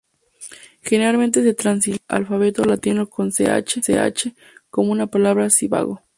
Generalmente se translitera al alfabeto latino como "zh" como en la palabra "Zhivago".